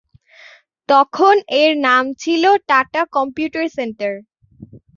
তখন এর নাম ছিল টাটা কম্পিউটার সেন্টার।